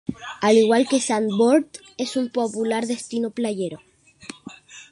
Al igual que Zandvoort, es un popular destino playero.